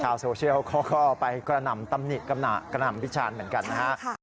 ชาวโซเชียลค่อไปกระหน่ำตำนิกกำหน่ากระหน่ำวิชาญเหมือนกันนะ